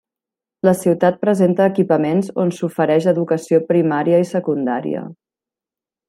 La ciutat presenta equipaments on s'ofereix educació primària i secundària.